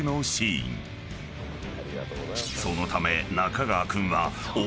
［そのため］